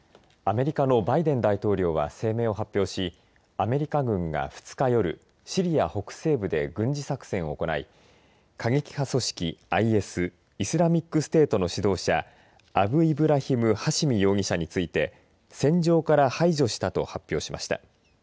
アメリカのバイデン大統領は声明を発表しアメリカ軍が２日夜シリア北西部で軍事作戦を行い過激派組織ＩＳイスラミックステートの指導者アブイブラヒム・ハシミ容疑者について戦場から排除したと発表しました。